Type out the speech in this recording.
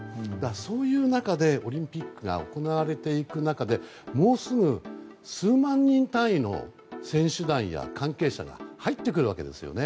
そういう中でオリンピックが行われていく中でもうすぐ数万人単位の選手団や関係者が入ってくるわけですよね。